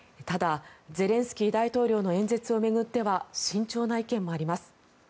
ただ、ゼレンスキー大統領の演説を巡っては慎重な意見もあります。